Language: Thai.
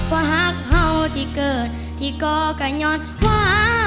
ว่าฮักเหาที่เกิดที่ก็ก็ย้อนว่า